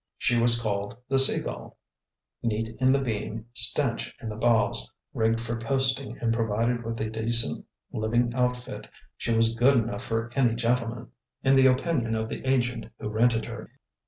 She was called the Sea Gull. Neat in the beam, stanch in the bows, rigged for coasting and provided with a decent living outfit, she was "good enough for any gentleman," in the opinion of the agent who rented her.